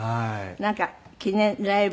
なんか記念ライブ